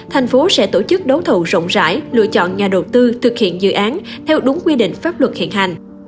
thành phố sẽ tổ chức đấu thầu rộng rãi lựa chọn nhà đầu tư thực hiện dự án theo đúng quy định pháp luật hiện hành